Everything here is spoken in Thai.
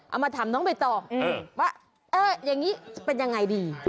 เอามาถามน้องใบตองว่าเอออย่างนี้จะเป็นยังไงดี